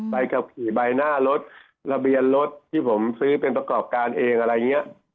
ใบขับขี่ใบหน้ารถระเบียนรถที่ผมซื้อเป็นประกอบการเองอะไรอย่างนี้